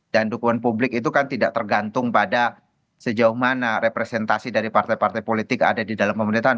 dan dukungan publik itu kan tidak tergantung pada sejauh mana representasi dari partai partai politik ada di dalam pemerintahan